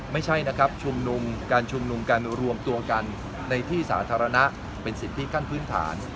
ไม่ใช่นะครับชุมนุมการชุมนุมการรวมตัวกันในที่สาธารณะเป็นสิทธิขั้นพื้นฐาน